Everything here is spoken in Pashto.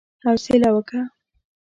حوصله وکه!